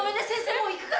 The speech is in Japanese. もう行くから。